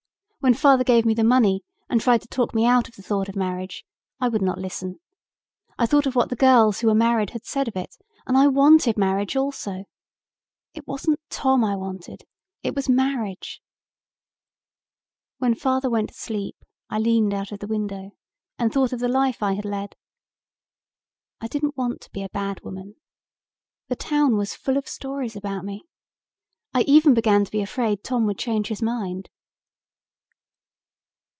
When father gave me the money and tried to talk me out of the thought of marriage, I would not listen. I thought of what the girls who were married had said of it and I wanted marriage also. It wasn't Tom I wanted, it was marriage. When father went to sleep I leaned out of the window and thought of the life I had led. I didn't want to be a bad woman. The town was full of stories about me. I even began to be afraid Tom would change his mind."